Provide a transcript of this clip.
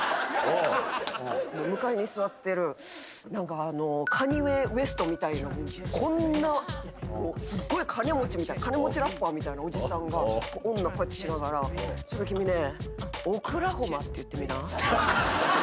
向かいに座ってる何かカニエ・ウェストみたいなこんなすっごい金持ちラッパーみたいなおじさんが女こうやってしながら「ちょっと君ねオクラホマって言ってみな」